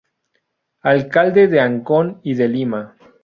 Alcalde de Ancón y de Lima.